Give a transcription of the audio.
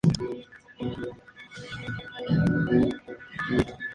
Perteneció al alfoz madrileño desde la Edad Media a pesar de estar bastante alejado.